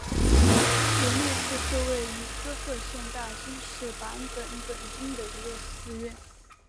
延历寺是位于滋贺县大津市坂本本町的一个寺院。